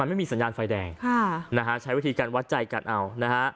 ไม่มีสัญญาณไฟแดงค่ะนะฮะใช้วิธีการวัดใจกันเอานะฮะ